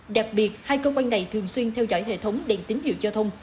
đặc biệt hai cơ quan này thường xuyên theo dõi hệ thống đèn tín hiệu giao thông